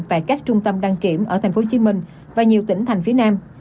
tại các trung tâm đăng kiểm ở tp hcm và nhiều tỉnh thành phía nam